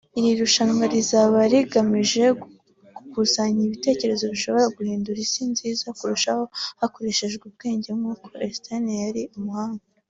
iri rushanwa rizaba rigamije gukusanya ibitekerezo bishobora guhindura isi nziza kurushaho hakoreshejwe ubwenge nk’uko Einstein yari umuhanga